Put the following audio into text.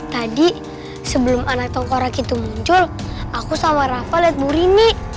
tadi sebelum anak tengkorak itu muncul aku sama rafa liat burini